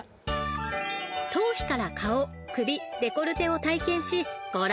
［頭皮から顔首デコルテを体験しご覧のとおり］